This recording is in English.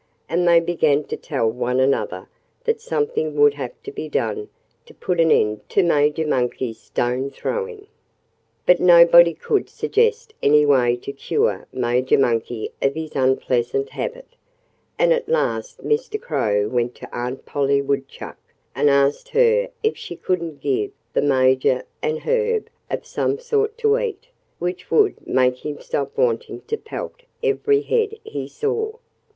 And they began to tell one another that something would have to be done to put an end to Major Monkey's stone throwing. But nobody could suggest any way to cure Major Monkey of his unpleasant habit. And at last Mr. Crow went to Aunt Polly Woodchuck and asked her if she couldn't give the Major an herb of some sort to eat, which would make him stop wanting to pelt every head he saw.